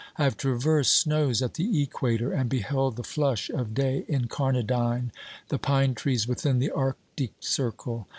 I have traversed snows at the equator and beheld the flush of day incarnadine OBERMANN 301 the pine trees within the Arctic circle.